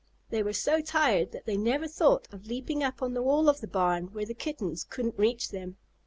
They were so tired that they never thought of leaping up on the wall of the barn where the Kittens couldn't reach them.